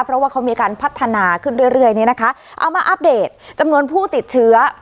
เพราะว่าเขามีการพัฒนาขึ้นเรื่อยเรื่อยเนี่ยนะคะเอามาอัปเดตจำนวนผู้ติดเชื้อ